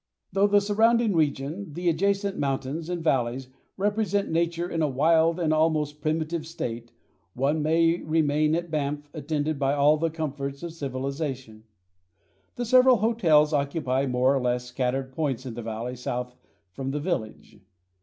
Though the surrounding region, the adjacent mountains, and valleys represent nature in a wild and almost primitive state, one may remain at Banff attended by all the comforts of civilization. The several hotels occupy more or less scattered points in the valley south from the village.